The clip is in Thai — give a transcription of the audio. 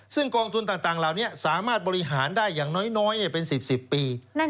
ซึ่งกองทุนต่างเหล่านี้สามารถบริหารได้อย่างน้อยเป็น๑๐๑๐ปี